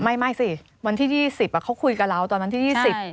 ไม่สิวันที่๒๐เขาคุยกับเราตอนวันที่๒๐